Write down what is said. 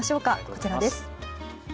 こちらです。